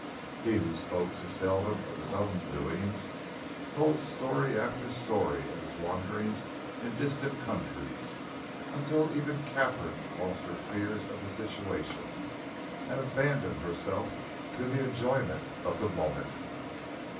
He, who spoke so seldom of his own doings, told story after story of his wanderings in distant countries, until even Katharine lost her fears of the situation and abandoned herself to the enjoyment of the moment.